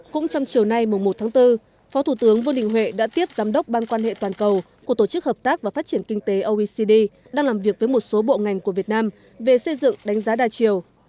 cũng trong chiều nay mùa một tháng bốn phó thủ tướng vương đình huệ đã tiếp giám đốc ban quan hệ toàn cầu của tổ chức hợp tác và phát triển kinh tế oecd đang làm việc với một số bộ ngành của việt nam về xây dựng đánh giá đa chiều